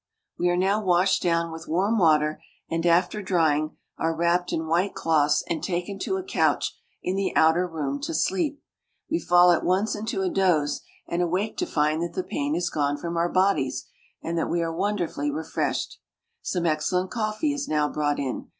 We are now washed down with warm water, and, after drying, are wrapped in white cloths and taken to a couch in the outer room to sleej). We fall at once into a doze and awake to find that the pain has gone from our bodies and that we are wonderfully refreshed. Some excellent coffee is now brought in.